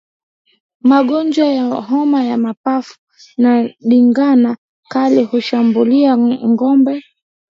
Magonjwa ya homa ya mapafu na ndigana kali hushambulia ngombe